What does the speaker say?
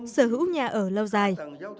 sở hữu nhà ở lâu dài